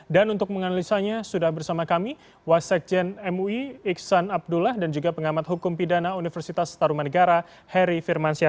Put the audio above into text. dan untuk menganalisanya sudah bersama kami wasetjen mui iksan abdullah dan juga pengamat hukum pidana universitas taruman negara heri firmansyah